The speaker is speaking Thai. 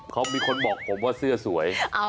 เขามีคนบอกผมว่าเสื้อสวย